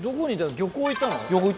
漁港行った。